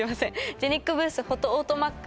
ジェニックブースフォトオートマック